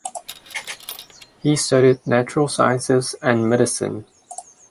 He studied natural sciences and medicine.